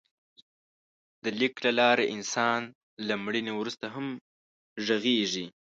د لیک له لارې انسان له مړینې وروسته هم غږېږي.